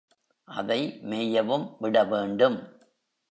அதை மேயவும் விட வேண்டும்.